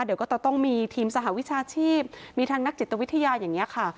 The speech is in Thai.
เดี๋ยวก็จะต้องมีทีมสหวิชาชีพมีทางนักจิตวิทยาอย่างนี้ค่ะ